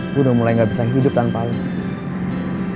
gue udah mulai gak bisa hidup tanpa lo